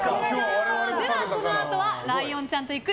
このあとはライオンちゃんと行く！